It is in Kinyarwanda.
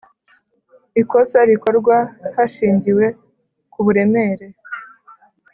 ikosa rikorwa hashingiwe ku buremere